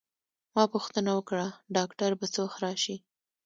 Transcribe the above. ما پوښتنه وکړه: ډاکټر به څه وخت راشي؟